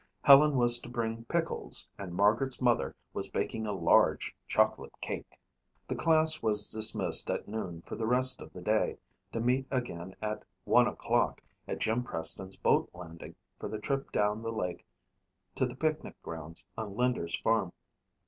Helen was to bring pickles and Margaret's mother was baking a large chocolate cake. The class was dismissed at noon for the rest of the day, to meet again at one o'clock at Jim Preston's boat landing for the trip down the lake to the picnic grounds on Linder's farm.